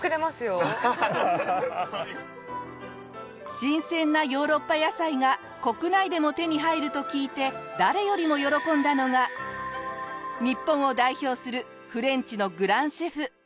新鮮なヨーロッパ野菜が国内でも手に入ると聞いて誰よりも喜んだのが日本を代表するフレンチのグランシェフ。